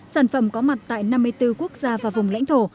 sản phẩm có mặt tại năm mươi bốn quốc gia và vùng lãnh thổ